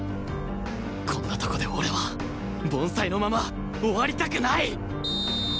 こんなとこで俺は凡才のまま終わりたくない！